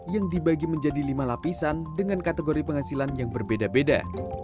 yang dibagi menjadi lima lapisan dengan kategori penghasilan yang berbeda beda